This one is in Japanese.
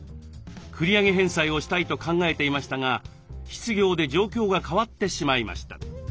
繰り上げ返済をしたいと考えていましたが失業で状況が変わってしまいました。